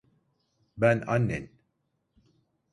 Ben annen.